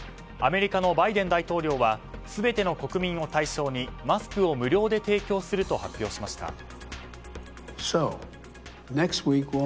アメリカのバイデン大統領は全ての国民を対象にマスクを無料で提供すると発表しました。